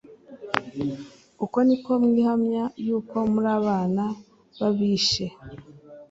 uko ni ko mwihamya yuko muri abana b'abishe